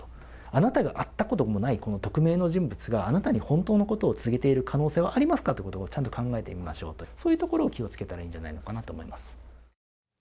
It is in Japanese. あなたが会ったこともないこの匿名の人物が、あなたに本当のことを告げている可能性はありますかということをちゃんと考えてみましょうと、そういうところを気をつけたらいいんじゃないかのかなと思います。